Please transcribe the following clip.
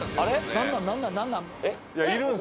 何なん？